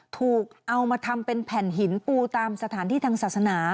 ถูกเอามาทำเป็นแผ่นหินปูตามสถานที่ทางศาสนา